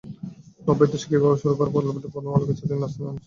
নব্বইয়ের দশকে এভাবেই শুরু করার গল্পটি প্রথম আলোকে বলছিলেন নাজনীন আনসারী।